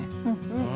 うん。